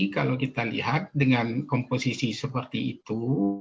kalau kita lihat dengan komposisi seperti itu